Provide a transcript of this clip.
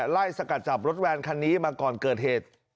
สกัดจับรถแวนคันนี้มาก่อนเกิดเหตุ